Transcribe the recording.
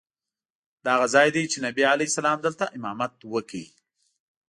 دا هغه ځای دی چې نبي علیه السلام دلته امامت وکړ.